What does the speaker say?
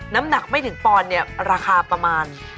น้ำหนักไม่ถึงปอนด์เนี่ยราคาประมาณ